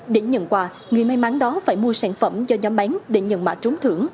để nhận quà người may mắn đó phải mua sản phẩm do nhóm bán để nhận mã trúng thưởng